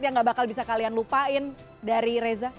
yang gak bakal bisa kalian lupain dari reza